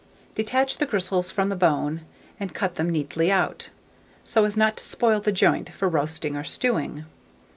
Detach the gristles from the bone, and cut them neatly out, so as not to spoil the joint for roasting or stewing.